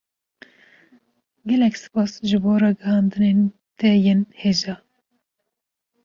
Gelek spas ji bo ragihandinên te yên hêja